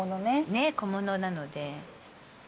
ねっ小物なので。